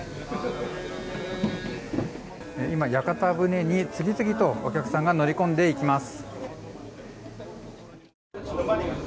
今、屋形船に次々とお客さんが乗り込んでいきます。